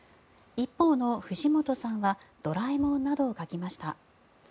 一方の藤本さんは「ドラえもん」などを描きました。